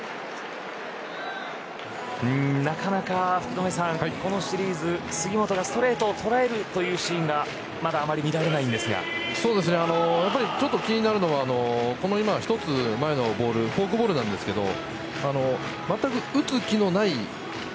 なかなか福留さんこのシリーズ杉本がストレートを捉えるシーンがまだあまり見られないんですがやっぱりちょっと気になるのが１つ前のボールフォークボールなんですけどまったく打ち気のない。